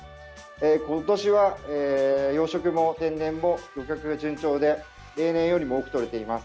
今年は養殖も天然も漁獲が順調で例年よりも多くとれています。